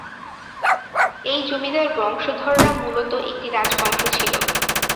এই জমিদার বংশধররা মূলত একটি রাজবংশ ছিল।